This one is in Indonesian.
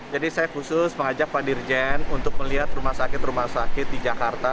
jadi saya khusus mengajak pak dirjen untuk melihat rumah sakit rumah sakit di jakarta